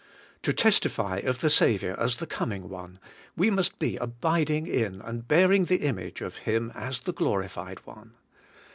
To testify of the Saviour as the Coming One, we must be abiding in and bearing the image of Him as the Glorified One.